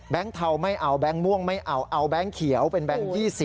แบงก์เทาไม่เอาแบงก์ม่วงไม่เอาเอาแบงก์เขียวเป็นแบงก์๒๐